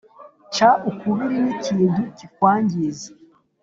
Ca ukubiri n ikintu kikwangiza